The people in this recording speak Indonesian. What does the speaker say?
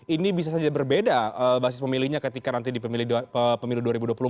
ini bisa saja berbeda basis pemilihnya ketika nanti di pemilu dua ribu dua puluh empat